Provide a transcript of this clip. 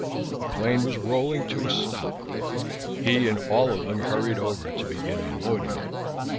The plane was rolling to a stop. He and all of them hurried over to begin unloading it.